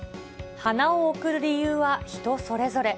花を贈る理由は人それぞれ。